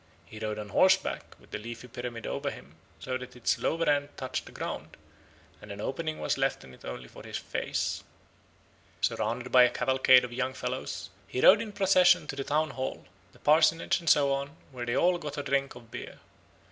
He rode on horseback with the leafy pyramid over him, so that its lower end touched the ground, and an opening was left in it only for his face. Surrounded by a cavalcade of young fellows, he rode in procession to the town hall, the parsonage, and so on, where they all got a drink of beer.